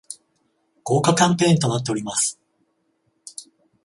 豪華キャンペーンとなっております